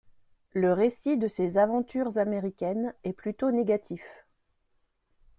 Le récit de ses aventures américaines est plutôt négatif.